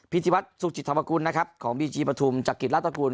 พิธีวัฒน์สุขจิตธรรมกุลนะครับของบีจีประธุมจากกิฤษลาตะกูล